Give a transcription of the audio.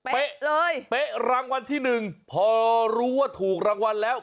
เป๊ะเลยเป๊ะรางวัลที่หนึ่งพอรู้ว่าถูกรางวัลแล้ว